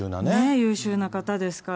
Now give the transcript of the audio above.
優秀な方ですから。